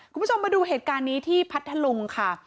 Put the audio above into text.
คุณผู้ชมมาดูเหตุการณ์นี้ที่พัทธลุงค่ะ